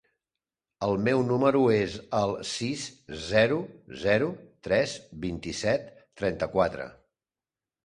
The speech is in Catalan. El meu número es el sis, zero, zero, tres, vint-i-set, trenta-quatre.